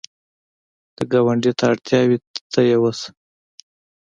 که ګاونډي ته اړتیا وي، ته یې وسه